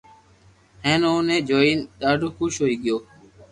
ھين اوني جوئين ڌاڌو خوݾ ھوئي گيو